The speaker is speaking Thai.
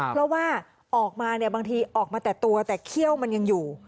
เพราะว่าออกมาเนี่ยบางทีออกมาแต่ตัวแต่เขี้ยวมันยังอยู่